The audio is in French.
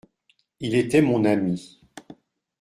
Il était mon ami.